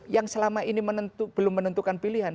yang selama ini belum menentukan pilihan